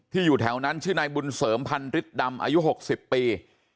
อยู่แถวนั้นชื่อนายบุญเสริมพันฤทธิดำอายุ๖๐ปี